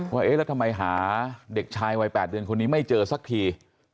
เอ๊ะแล้วทำไมหาเด็กชายวัย๘เดือนคนนี้ไม่เจอสักที